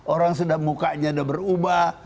orang sudah mukanya sudah berubah